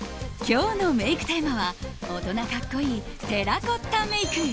今日のメイクテーマは大人格好いいテラコッタメイク。